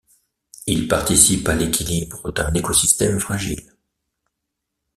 Ils participent à l'équilibre d'un écosystème fragile.